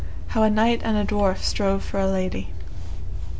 How a knight and a dwarf strove for a lady.